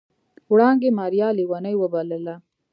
وړانګې ماريا ليونۍ وبلله.